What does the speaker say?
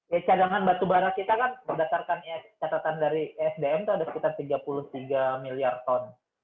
ya cadangan batubara kita kan berdasarkan catatan dari esdm itu ada sekitar tiga puluh tiga miliar ton